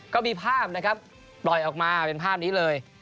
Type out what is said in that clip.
ก็มีภาพนะครับปล่อยออกมาเป็นภาพนี้เลย